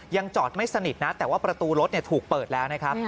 ยังจอดไม่สนิทแต่ว่าประตูรถถูกเปิดแล้ว